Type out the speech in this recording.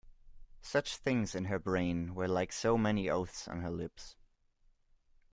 Such things in her brain were like so many oaths on her lips.